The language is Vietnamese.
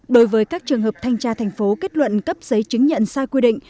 đối với các trường hợp thanh tra thành phố kết luận cấp giấy chứng nhận sai quy định